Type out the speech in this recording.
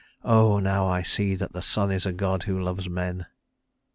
"Oh, now I see that the sun is a God who loves men!"